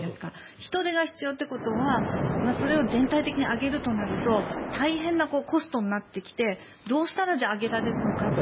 人手が必要ってことはそれを全体的に上げるとなると大変なコストになってきてどうしたら上げられるのかという。